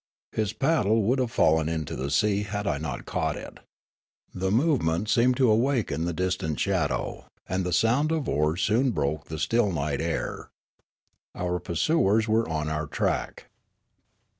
His paddle would have fallen into the sea had I not caught it. The movement seemed to awaken the distant shadow, and the sound of oars soon broke the still night air. Our pursuers were on our track.